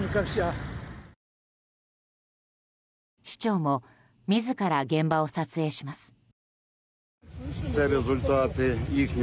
市長も自ら現場を撮影します。